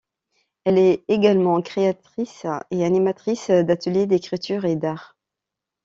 Elle est également créatrice et animatrice d'ateliers d'écriture et d'art.